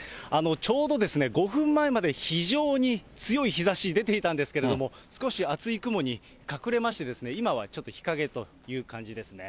ちょうど５分前まで、非常に強い日ざし出ていたんですけれども、少し厚い雲に隠れまして、今はちょっと日陰という感じですね。